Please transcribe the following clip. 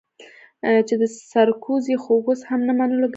چې دا سرکوزی خو اوس هم د نه منلو ګردان تکراروي.